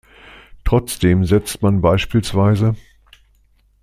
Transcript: Trotzdem setzt man bspw.